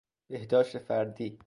بهداشت فردی